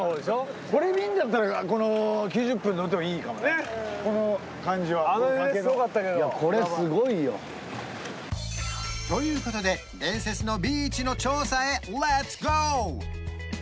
これ見るんだったらこの９０分乗ってもいいかもねねっこの感じはこれすごいよということで伝説のビーチの調査へレッツゴー！